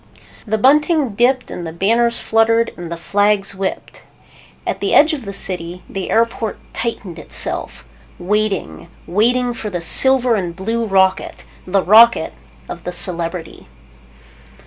The bunting dipped and the banners fluttered and the flags whipped. At the edge of the city, the airport tightened itself. Waiting, waiting for the silver and blue rocket. The rocket of the Celebrity.